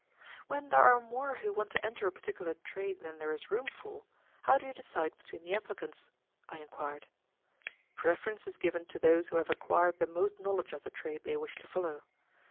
"When there are more who want to enter a particular trade than there is room for, how do you decide between the applicants?" I inquired. "Preference is given to those who have acquired the most knowledge of the trade they wish to follow.